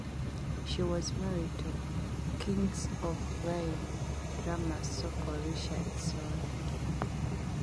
She was married to Kings of Rhythm drummer Soko Richardson.